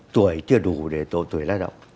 tuổi chưa đủ để tổ tuổi lao động